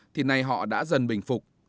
thì nay họ đã dần bình phục